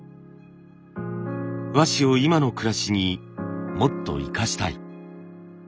和紙を今の暮らしにもっと生かしたい。